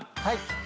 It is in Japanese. はい。